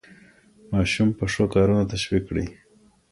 ماشوم په ښو کارونو تشویق کړئ.